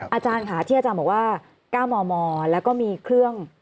อาจารย์ค่ะที่อาจารย์บอกว่า๙มมแล้วก็มีเครื่อง